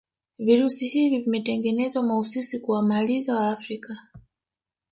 virusi hivi vimetengenezwa mahususi kuwamaliza waafrika